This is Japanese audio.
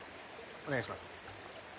お願いします。